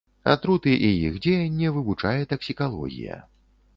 Атруты і іх дзеянне вывучае таксікалогія.